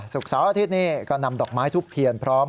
เสาร์อาทิตย์นี้ก็นำดอกไม้ทุบเทียนพร้อม